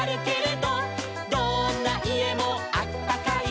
「どんないえもあったかい」